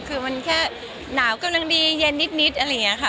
คือมันแค่หนาวกำลังดีเย็นนิดอะไรอย่างนี้ค่ะ